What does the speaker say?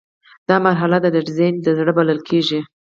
دا مرحله د ډیزاین زړه بلل کیږي.